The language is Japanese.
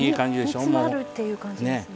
煮詰まるっていう感じですね。